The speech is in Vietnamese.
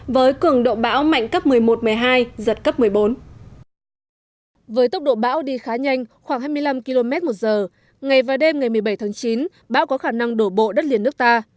với tốc độ bão đi khá nhanh khoảng hai mươi năm km một giờ ngày và đêm ngày một mươi bảy tháng chín bão có khả năng đổ bộ đất liền nước ta